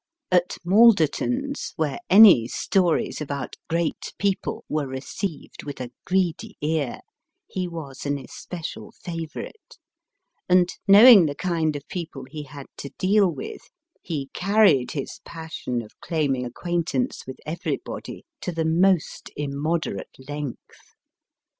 At Malderton's, where any stories about great people were received with a greedy ear, ho was an especial favourite ; and, knowing the kind of people he had to deal with, ho carried his passion of claiming acquaintance with everybody, to the most immoderate length.